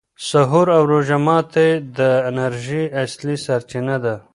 سحور او روژه ماتي د انرژۍ اصلي سرچینه ده.